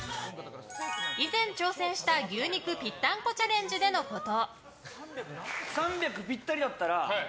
以前挑戦した、牛肉ぴったんこチャレンジでのこと。